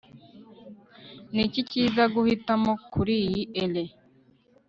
niki cyiza guhitamo kuriyi 'ere